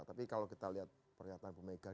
tapi kalau kita lihat pernyataan bu mega